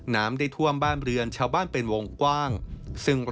น้ำได้ท่วมบ้านเรือนชาวบ้านเป็นวงกว้างซึ่ง